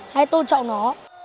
hãy tôn trọng nó